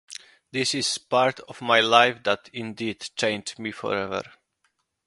This is a part of my life that indeed changed me forever.